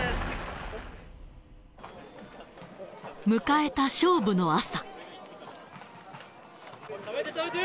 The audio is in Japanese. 迎えた勝負の朝。